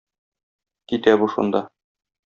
Китә бу шунда.